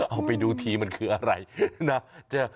เอาไปดูทีมันคืออะไรนะ